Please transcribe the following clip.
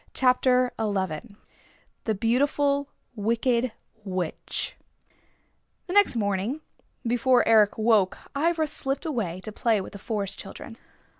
CHAPTER XI THE BEAUTIFUL WICKED WITCH The next morning before Eric woke Ivra slipped away to play with the Forest Children.